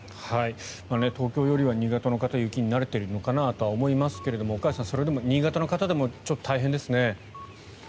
東京よりは新潟の方雪に慣れてるのかなと思いますが岡安さん、それでも新潟の方でもちょっと大変ですね。